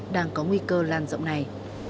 đang có nguy cơ lan rộng này